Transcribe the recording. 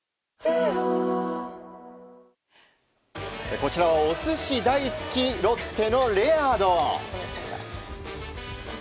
こちらはお寿司大好きロッテのレアード。